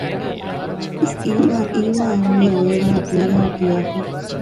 ނަމަވެސް އީމާ އެވަނީ ދުނިޔެއާ އަލްވަދާޢު ކިޔާފަ